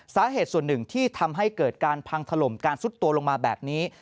สาเหตุส่วนหนึ่งที่ทำให้เกิดการพังถล่มการซุดตัวลงมาแบบนี้